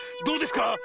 どうですか？